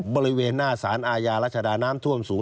บริเวณหน้าสารอาญารัชดาน้ำท่วมสูง